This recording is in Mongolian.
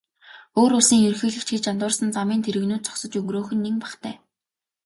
Өөр улсын ерөнхийлөгч гэж андуурсан замын тэрэгнүүд зогсож өнгөрөөх нь нэн бахтай.